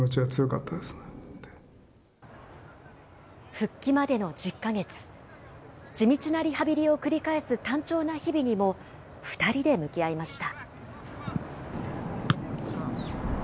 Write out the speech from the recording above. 復帰までの１０か月、地道なリハビリを繰り返す単調な日々にも、２人で向き合いました。